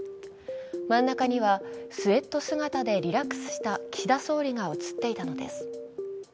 真ん中には、スエット姿でリラックスした岸田総理が写っていたのです。